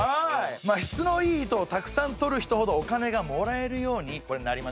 質のいい糸をたくさんとる人ほどお金がもらえるようにこれなりました。